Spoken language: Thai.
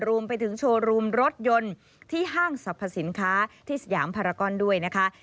รวมไปถึงโชว์รูมรถยนต์ที่ห้างสรรพสินค้าที่สยามพารากอนด้วยนะคะ